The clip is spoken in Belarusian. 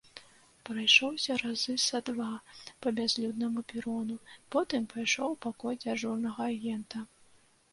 Прайшоўся разы са два па бязлюднаму перону, потым пайшоў у пакой дзяжурнага агента.